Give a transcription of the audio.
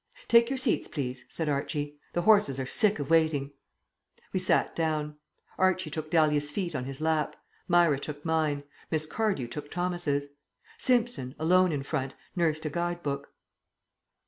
"Take your seats, please," said Archie. "The horses are sick of waiting." We sat down. Archie took Dahlia's feet on his lap, Myra took mine, Miss Cardew took Thomas's. Simpson, alone in front, nursed a guide book.